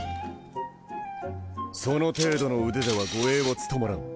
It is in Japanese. その程度の腕では護衛は務まらん。